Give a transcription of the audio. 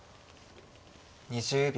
２０秒。